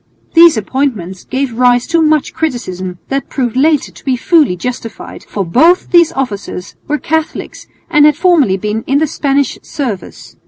These appointments gave rise to much criticism that proved later to be fully justified, for both these officers were Catholics and had formerly been in the Spanish service.